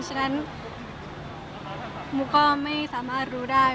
ฉะนั้นมุกก็ไม่สามารถรู้ได้